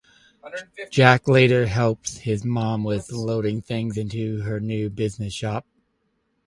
Jack later helps his mom with loading things into her new business shop.